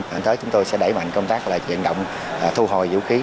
thời gian tới chúng tôi sẽ đẩy mạnh công tác là diện động thu học